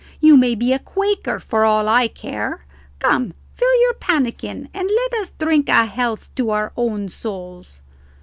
you may be a Quaker for all I care. Come, fill your pannikin and let us drink a health to our own souls!"